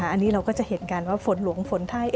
อันนี้เราก็จะเห็นกันว่าฝนหลวงฝนไทย